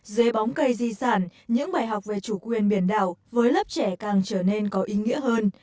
dưới bóng cây di sản những bài học về chủ quyền biển đảo với lớp trẻ càng trở nên có ý nghĩa hơn